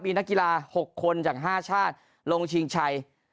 มีนักกีฬา๖คนจาก๕ชาติลงชิงชัย